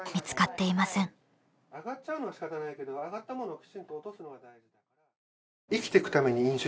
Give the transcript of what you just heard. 上がっちゃうのは仕方ないけど上がったものをきちんと落とすのが大事。